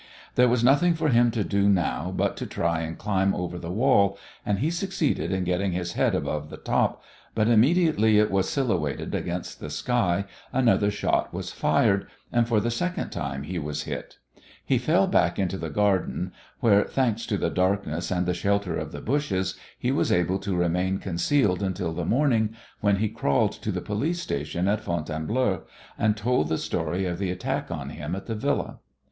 There was nothing for him to do now but to try and climb over the wall, and he succeeded in getting his head above the top, but immediately it was silhouetted against the sky another shot was fired, and for the second time he was hit. He fell back into the garden, where, thanks to the darkness and the shelter of the bushes, he was able to remain concealed until the morning, when he crawled to the police station at Fontainebleau, and told the story of the attack on him at the Villa.